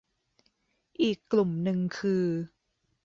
อีกกลุ่มนึงคือ